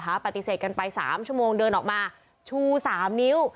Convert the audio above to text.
ปฏิเสธกันไป๓ชั่วโมงเดินออกมาชู๓นิ้ว